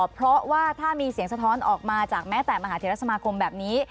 เพราะว่าถ้ามีเสียงสะท้อนออกมาจากแม้แต่มหาเทรสมาคมแบบนี้